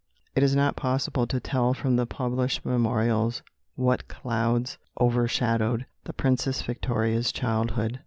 It is not possible to tell from the published memorials what clouds overshadowed the Princess Victoria's childhood.